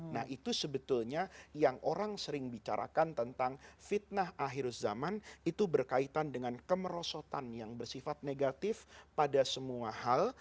nah itu sebetulnya yang orang sering bicarakan tentang fitnah akhir zaman itu berkaitan dengan kemerosotan yang bersifat negatif pada semua hal